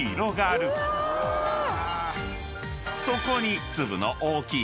［そこに］